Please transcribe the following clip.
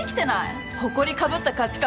ほこりかぶった価値観